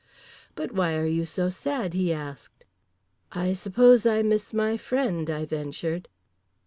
"But why are you so sad?" he asked. "I suppose I miss my friend," I ventured.